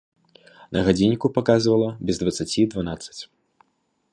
На гадзінніку паказвала без дваццаці дванаццаць.